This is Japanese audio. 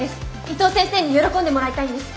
伊藤先生に喜んでもらいたいんです。